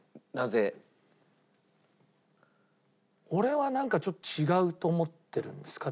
俺はなんかちょっと違うと思ってるんです勝手に。